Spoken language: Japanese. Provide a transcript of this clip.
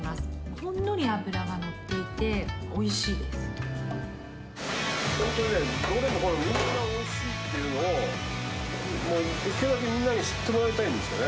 ほんのり脂が乗っていて、おいし本当ね、どれもこれもみんなおいしいっていうのを、できるだけみんなに知ってもらいたいんですよね。